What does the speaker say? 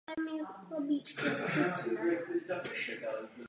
Model dokonalé konkurence je v mnohém zavádějící.